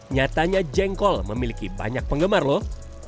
nyatanya jengkol memiliki banyak penggemar lho